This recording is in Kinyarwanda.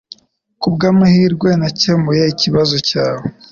Kubwamahirwe nakemuye ikibazo cyawe